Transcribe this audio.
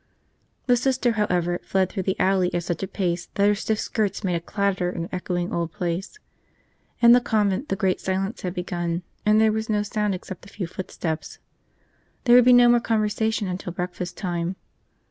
The Sister, however, fled through the alley at such a pace that her stiff skirts made a clatter in the echoing old place. In the convent the Great Silence had begun and there was no sound except a few footsteps. There would be no more conversation until breakfast time.